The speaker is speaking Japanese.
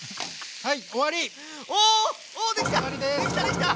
はい！